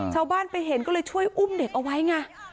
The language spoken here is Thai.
ชาวบ้านไปเห็นก็เลยช่วยอุ้มเด็กเอาไว้ไง